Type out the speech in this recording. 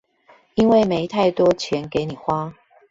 因為沒太多錢給你花